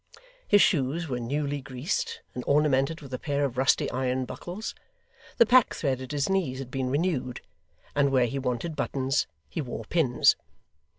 His shoes were newly greased, and ornamented with a pair of rusty iron buckles; the packthread at his knees had been renewed; and where he wanted buttons, he wore pins.